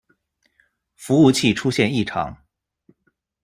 服务器出现异常